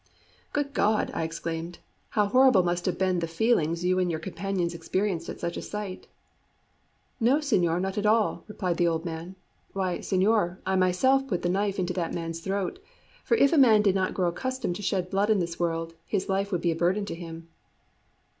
"Good God," I exclaimed, "how horrible must have been the feelings you and your companions experienced at such a sight!" "No, señor, not at all," replied the old man. "Why, señor, I myself put the knife into that man's throat. For if a man did not grow accustomed to shed blood in this world, his life would be a burden to him."